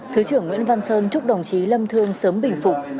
thứ trưởng nguyễn văn sơn chúc đồng chí lâm thương sớm bình phục